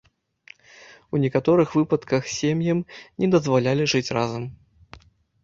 У некаторых выпадках сем'ям не дазвалялі жыць разам.